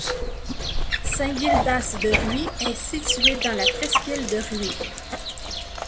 Saint-Gildas-de-Rhuys est située dans la presqu'île de Rhuys.